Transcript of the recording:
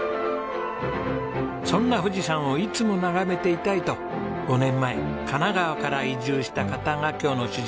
そんな富士山をいつも眺めていたいと５年前神奈川から移住した方が今日の主人公です。